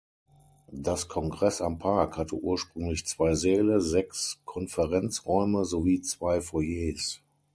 Das Kongress am Park hatte ursprünglich zwei Säle, sechs Konferenzräume sowie zwei Foyers.